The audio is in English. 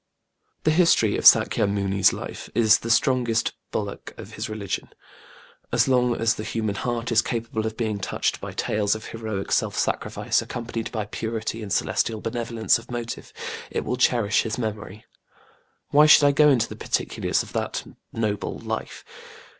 The history of SÄkya Muni's life is the strongest bulwark of his religion. As long as the human heart is capable of being touched by tales of heroic self sacrifice, accompanied by purity and celestial benevolence of motive, it will cherish his memory. Why should I go into the particulars of that noble life?